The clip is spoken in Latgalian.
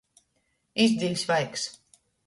Izdiļs vaigs.